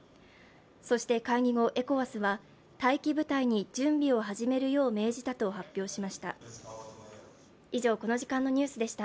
そして会議後、ＥＣＯＷＡＳは待機部隊に準備を始めるよう命じたと発表しました。